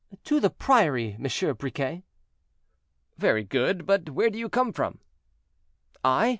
"To the priory, Monsieur Briquet." "Very good; but where do you come from?" "I?"